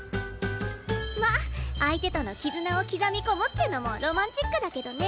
まっ相手との絆を刻み込むってのもロマンチックだけどね